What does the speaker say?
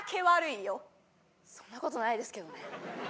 そんな事ないですけどね。